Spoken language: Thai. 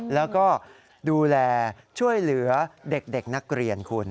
แล้วก็ดูแลช่วยเหลือเด็กนักเรียนคุณ